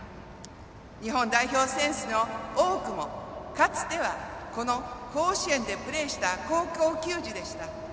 日本代表選手の多くも、かつてはこの甲子園でプレーした高校球児でした。